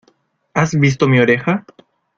¿ Has visto mi oreja?